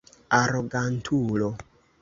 Arogantulo!